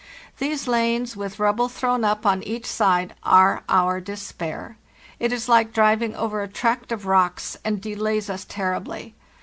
These lanes, with rubble thrown up on each side, are our despair. It is lke driving over a tract of rocks, and delays us terribly.